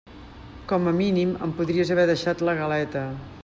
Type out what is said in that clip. Com a mínim em podries haver deixat la galeta.